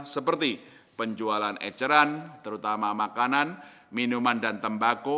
seperti penjualan eceran terutama makanan minuman dan tembako